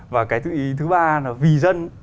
và cái thứ ba là vì dân